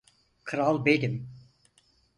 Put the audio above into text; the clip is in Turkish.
Kral benim!